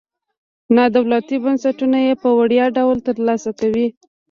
نادولتي بنسټونه یې په وړیا ډول تر سره کوي.